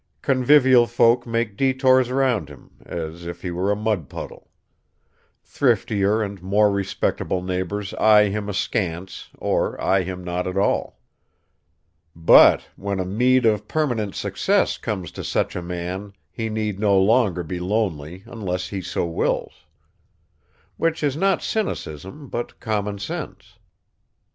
Convivial folk make detours round him, as if he were a mud puddle. Thriftier and more respectable neighbors eye him askance or eye him not at all. But when a meed of permanent success comes to such a man he need no longer be lonely unless he so wills. Which is not cynicism, but common sense.